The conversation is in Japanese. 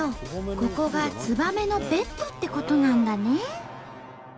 ここがツバメのベッドってことなんだね。